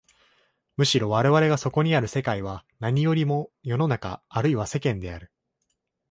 むしろ我々がそこにある世界は何よりも世の中あるいは世間である。